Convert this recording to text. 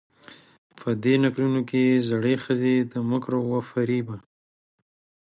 په دې نکلونو کې زړې ښځې د مکرو و فرېبه